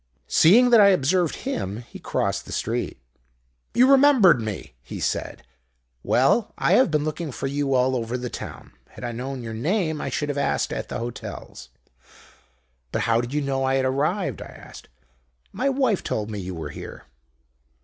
"Seeing that I had observed him, he crossed the street. "'You remember me?' he said. 'Well, I have been looking for you all over the town. Had I known your name I should have asked at the hotels.' "'But how did you know I had arrived?' I asked. "'My wife told me you were here.'